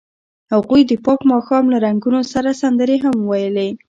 هغوی د پاک ماښام له رنګونو سره سندرې هم ویلې.